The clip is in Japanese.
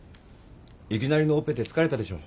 いきなりのオペで疲れたでしょう。